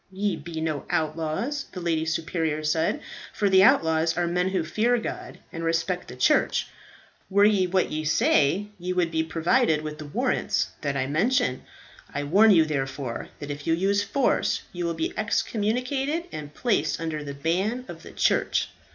"Ye be no outlaws," the lady superior said, "for the outlaws are men who fear God and respect the church. Were ye what ye say, ye would be provided with the warrants that I mention. I warn you, therefore, that if you use force, you will be excommunicated, and placed under the ban of the church."